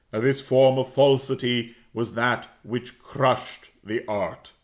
This form of falsity was that which crushed the art.